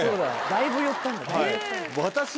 だいぶ寄ったんだ。